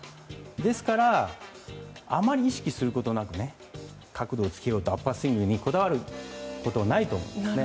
ですからあまり意識することなく角度をつけようとアッパースイングにこだわることないと思いますね。